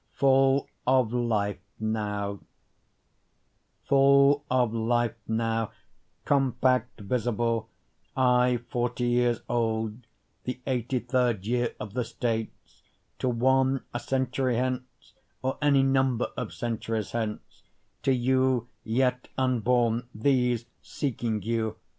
Full of Life Now Full of life now, compact, visible, I, forty years old the eighty third year of the States, To one a century hence or any number of centuries hence, To you yet unborn these, seeking you.